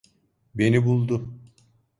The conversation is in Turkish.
Beni buldu.